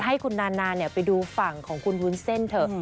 ให้คุณนานาไปดูฝั่งของคุณวุ้นเส้นเถอะ